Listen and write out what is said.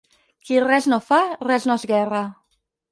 Qui res no fa, res no esguerra.